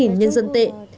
và chín mươi nhân dân tệ